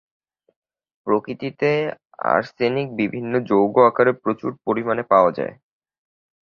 প্রকৃতিতে আর্সেনিক বিভিন্ন যৌগ আকারে প্রচুর পরিমাণে পাওয়া যায়।